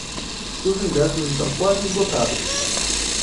Seus ingressos estão quase esgotados.